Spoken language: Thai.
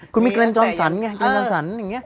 คุณมีแกลนจองสรรค์ไงแกลนจองสรรค์อย่างนี้